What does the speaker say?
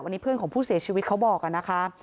อันนี้เพื่อนของผู้เสียชีวิตเขาบอกนะคะ